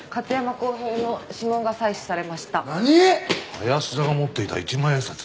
林田が持っていた一万円札に。